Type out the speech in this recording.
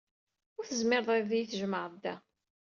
Ur tezmireḍ ad iyi-tjemɛeḍ da.